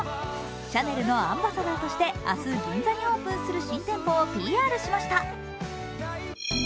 シャネルのアンバサダーとして明日、銀座にオープンする新店舗をＰＲしました。